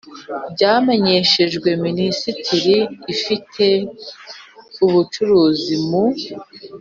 byamenyeshejwe Minisiteri ifite ubucuruzi mu